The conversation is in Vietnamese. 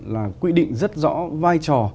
là quy định rất rõ vai trò